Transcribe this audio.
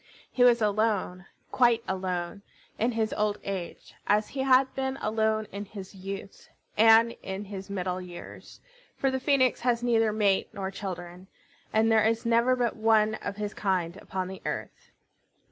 He was alone, quite alone, in his old age, as he had been alone in his youth, and in his middle years; for the Phoenix has neither mate nor children, and there is never but one of his kind upon the earth.